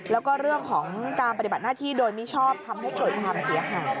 แล้วก็เรื่องของการปฏิบัติหน้าที่โดยมิชอบทำให้เกิดความเสียหาย